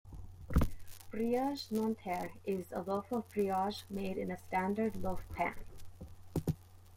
"Brioche Nanterre" is a loaf of brioche made in a standard loaf pan.